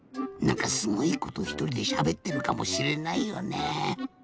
なんかすごいことひとりでしゃべってるかもしれないよね。